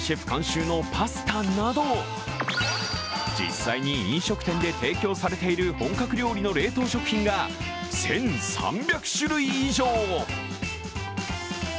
監修のパスタなど、実際に飲食店で提供されている本格料理の冷凍食品が１３００種類以上。